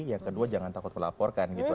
yang kedua jangan takut melaporkan gitu